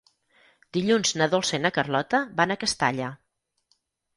Dilluns na Dolça i na Carlota van a Castalla.